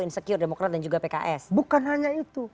insecure demokrat dan juga pks bukan hanya itu